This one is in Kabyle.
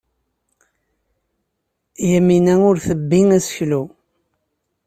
Yamina ur tebbi aseklu.